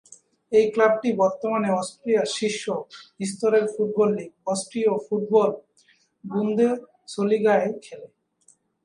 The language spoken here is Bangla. এই ক্লাবটি বর্তমানে অস্ট্রিয়ার শীর্ষ স্তরের ফুটবল লীগ অস্ট্রীয় ফুটবল বুন্দেসলিগায় খেলে।